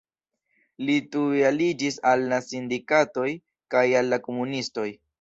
Li tuj aliĝis al la sindikatoj kaj al la komunistoj.